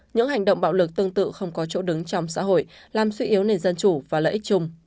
những hành động bạo lực tương tự không có chỗ đứng trong xã hội làm suy yếu nền dân chủ và lợi ích chung